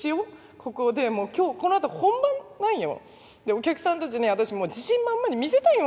ここでもう今日このあと本番なんよ。でお客さんたちに私もう自信満々に見せたいんよ